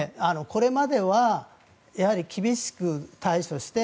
これまではやはり厳しく対処して